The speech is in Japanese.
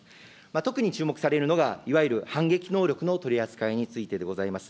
特に注目されるのが、いわゆる反撃能力の取り扱いについてでございます。